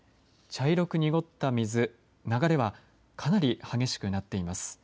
茶色く濁った水流れはかなり激しくなっています。